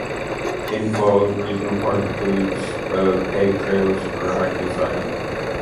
Hidden Falls Regional Park includes of paved trails for hiking and cycling.